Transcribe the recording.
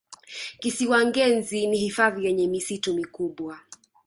kisiwa ngezi ni hifadhi yenye misitu mikubwa